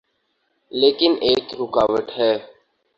لیکن ایک رکاوٹ ہے۔